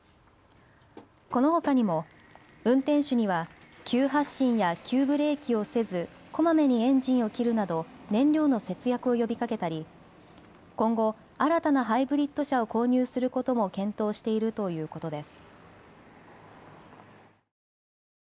このほかにも運転手には急発進や急ブレーキをせず、こまめにエンジンを切るなど燃料の節約を呼びかけたり今後、新たなハイブリッド車を購入することも検討しているということです。